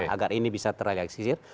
agar ini bisa terlihat secicir